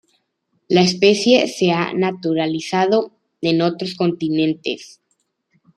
La especie se ha naturalizado en otros continentes.